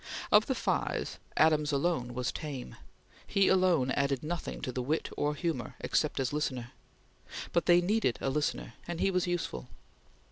Of the five, Adams alone was tame; he alone added nothing to the wit or humor, except as a listener; but they needed a listener and he was useful.